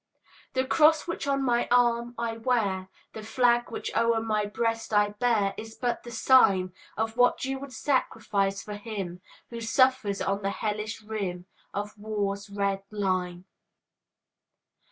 The cross which on my arm I wear, The flag which o'er my breast I bear, Is but the sign Of what you 'd sacrifice for him Who suffers on the hellish rim Of war's red line.